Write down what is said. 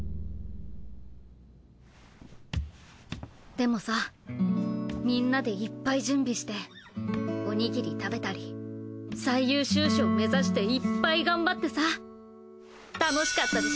でもさみんなでいっぱい準備しておにぎり食べたり最優秀賞目指していっぱい頑張ってさ楽しかったでしょ？